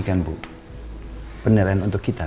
bukan penilaian untuk kita